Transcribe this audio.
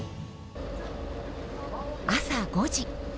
朝５時。